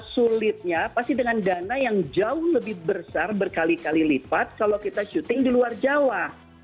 sulitnya pasti dengan dana yang jauh lebih besar berkali kali lipat kalau kita syuting di luar jawa